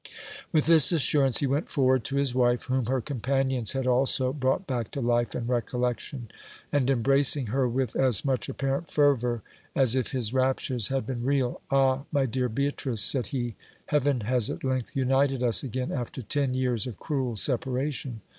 With this assurance he went forward to his wife, whom her companions had also brought back to life and recollection ; and, embracing her with as much apparent fervour as if his raptures had been real, Ah, my dear Beatrice, said he, heaven has at length united us again after ten years of cruel separation